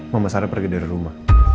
mama sarah pergi dari rumah